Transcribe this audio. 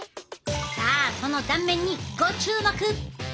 さあその断面にご注目！